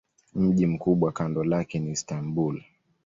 Mji mkubwa kando lake ni Istanbul.